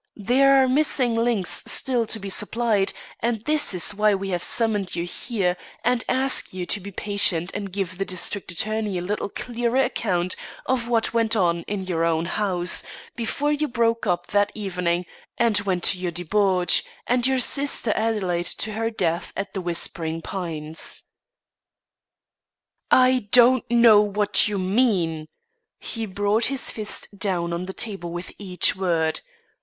There are missing links still to be supplied, and this is why we have summoned you here and ask you to be patient and give the district attorney a little clearer account of what went on in your own house, before you broke up that evening and you went to your debauch, and your sister Adelaide to her death at The Whispering Pines." "I don't know what you mean." He brought his fist down on the table with each word.